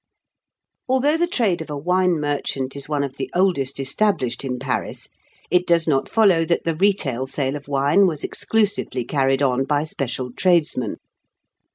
] Although the trade of a wine merchant is one of the oldest established in Paris, it does not follow that the retail sale of wine was exclusively carried on by special tradesmen.